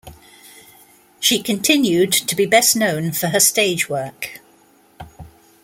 She continued to be best known for her stage work.